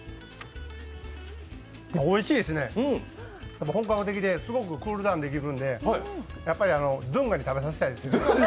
おいしいですね、本格的ですごくクールダウンできるんでドゥンガに食べさせたいですね。